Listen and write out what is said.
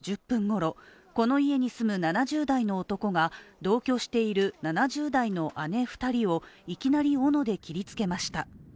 捜査関係者によりますと、２１日の午後７時５０分ごろ、この家に住む７０代の男が、同居している７０代の姉２人をいきなりおので切りつけました。